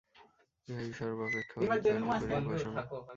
ইহাই সর্বাপেক্ষা অধিক কার্যকরী উপাসনা।